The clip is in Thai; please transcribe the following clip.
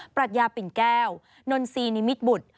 ปรัชญาปิ่นแก้วนอนซีนิมิตบุทธ์